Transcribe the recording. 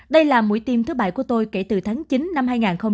đây là mũi tiêm thứ bảy của tôi kể từ tháng chín năm hai nghìn hai mươi